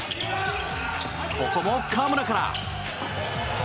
ここも、河村から。